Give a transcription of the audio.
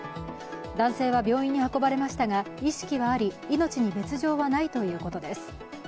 男性は病院に運ばれましたが意識はあり、命に別状はないということです。